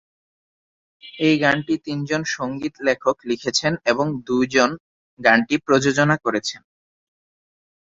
এই গানটি তিনজন সঙ্গীত লেখক লিখেছেন এবং দুইজন গানটি প্রযোজনা করেছেন।